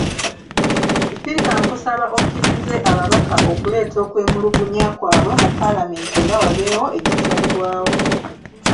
Sipiika nkusaba okkirize ababaka okuleeta okwemulugunya kwabwe mu Palamenti era wabeewo ekisalibwawo.